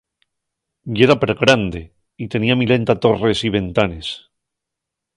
Yera pergrande, y tenía milenta torres y ventanes.